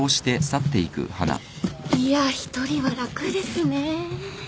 いや一人は楽ですね。